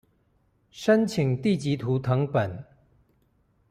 申請地籍圖謄本